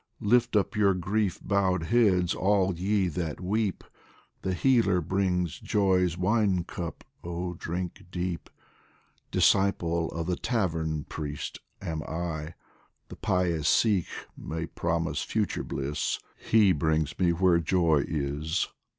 Lift up your grief bowed heads, all ye that weep, The Healer brings joy's wine cup oh, drink deep t Disciple of the Tavern priest am I ; The pious Sheikh may promise future bliss, He brings me where joy is.